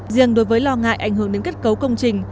riêng đối với lo ngại ảnh hưởng đến kết cấu công trình